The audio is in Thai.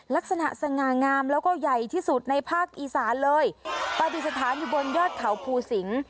สง่างามแล้วก็ใหญ่ที่สุดในภาคอีสานเลยปฏิสถานอยู่บนยอดเขาภูสิง